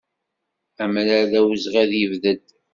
Amrar d awezɣi ad yebded.